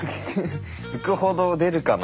浮くほど出るかな？